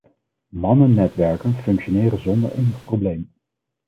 Mannennetwerken functioneren zonder enig probleem.